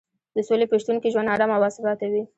د سولې په شتون کې ژوند ارام او باثباته وي.